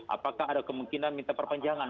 apakah ada kemungkinan minta perpanjangan